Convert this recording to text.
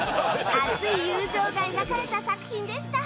熱い友情が描かれた作品でした。